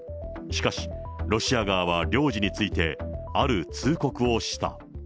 しかし、ロシア側は領事について、ある通告をした。